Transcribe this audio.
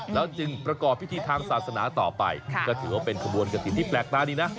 แล้วจึงประกอบพิธีทางศาสนาต่อไปก็ถือว่าเป็นขบวนกระถิ่นที่แปลกตาดีนะ